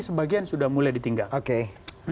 sebagian sudah mulai ditinggalkan